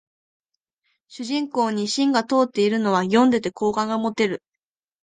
主人公に芯が通ってるというのは読んでて好感が持てる